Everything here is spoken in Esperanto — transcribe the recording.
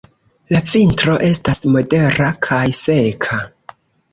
La vintro estas modera kaj seka.